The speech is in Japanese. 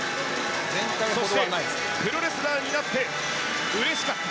そしてプロレスラーになってうれしかった。